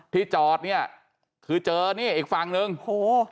ที่จอดเนี่ยคือเจอนี่อีกฝั่งหนึ่งโอ้โห